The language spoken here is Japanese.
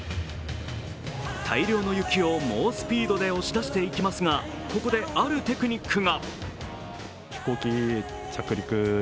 大量の雪を猛スピードで押し出していきますが、ここであるテクニックが。